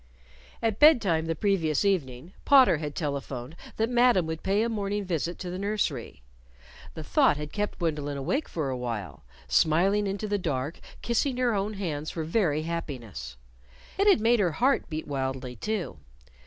At bed time the previous evening Potter had telephoned that Madam would pay a morning visit to the nursery. The thought had kept Gwendolyn awake for a while, smiling into the dark, kissing her own hands for very happiness; it had made her heart beat wildly, too.